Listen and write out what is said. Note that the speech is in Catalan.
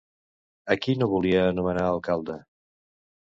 A qui no volia nomenar alcalde?